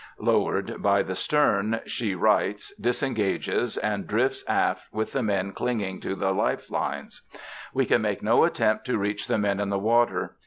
Lowered by the stern, she rights, disengages, and drifts aft with the men clinging to the life lines. We can make no attempt to reach the men in the water.